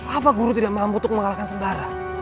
apa guru tidak mampu untuk mengalahkan sembarang